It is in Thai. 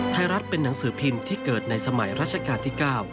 ไทยรัฐเป็นหนังสือพิมพ์ที่เกิดในสมัยราชการที่๙